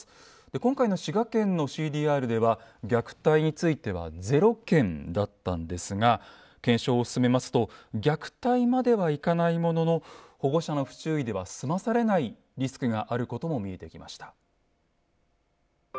今回の滋賀県のＣＤＲでは虐待については０件だったんですが検証を進めますと虐待まではいかないものの保護者の不注意では済まされないリスクがあることも見えてきました。